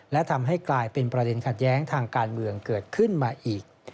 และทำให้กลายเป็นประเด็นขัดแย้งทางการเมืองเกิดขึ้นมาอีก